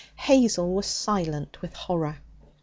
Hazel was silent with horror.